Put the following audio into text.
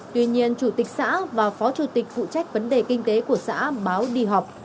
tuy nhiên chủ tịch xã và phó chủ tịch phụ trách vấn đề kinh tế của xã báo đi học